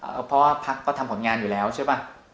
เพราะว่าพักก็ทำผลงานอยู่แล้วใช่ป่ะ